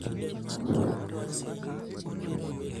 Nopenjo.